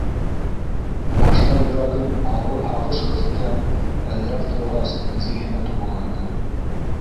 Башта йөрәген ауыр һағыш ҡыҫты, әҙерәк торғас, зиһене томаланды.